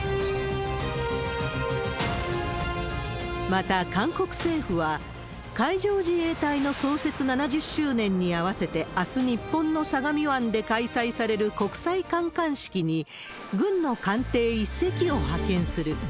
また、韓国政府は、海上自衛隊の創設７０周年に合わせてあす、日本の相模湾で開催される国際観艦式に、軍の艦艇１隻を派遣する。